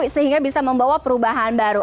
sehingga bisa membawa perubahan baru